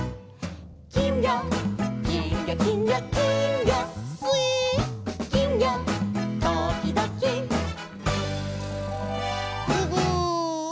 「きんぎょきんぎょきんぎょきんぎょ」「すいっ」「きんぎょときどき」「ふぐ！」